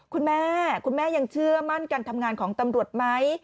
คุณแม่คุณแม่ยังเชื่อมั่นการทำงานของตำรวจไหม